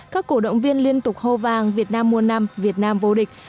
các cổ động viên liên tục hô vàng việt nam muôn năm việt nam vô địch